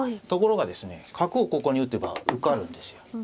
ところがですね角をここに打てば受かるんですよ。